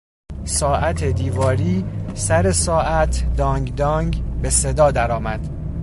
ساعت دیواری سر ساعت دانگ دانگ به صدا درآمد.